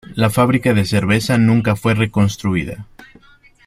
La fábrica de cerveza nunca fue reconstruida.